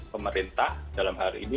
pemerintah dalam hari ini